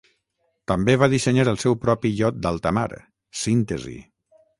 També va dissenyar el seu propi iot d'alta mar, Síntesi.